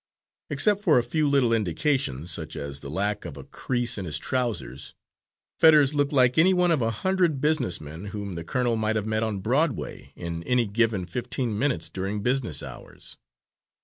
Except for a few little indications, such as the lack of a crease in his trousers, Fetters looked like any one of a hundred business men whom the colonel might have met on Broadway in any given fifteen minutes during business hours.